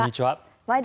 「ワイド！